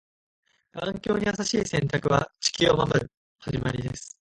環境に優しい選択は、地球を守る始まりです。